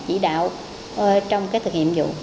chỉ đạo trong cái thực hiện nhiệm vụ